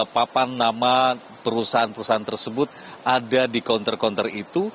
papan nama perusahaan perusahaan tersebut ada di counter konter itu